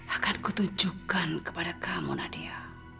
akan kutujukan kepada kamu nadia